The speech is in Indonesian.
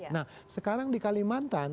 nah sekarang di kalimantan